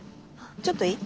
ちょっといい？